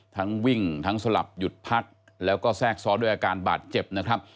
ทั้งวิ่งทั้งสลับหยุดพักแล้วก็แทรกซ้อนด้วยอาการบาดเจ็บนะครับ